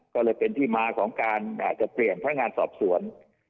ก็เลยเป็นที่มาของการเปลี่ยนพระงานสอบสวน